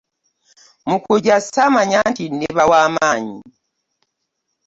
Mu kujja ssaamanya nti ndiba wa maanyi.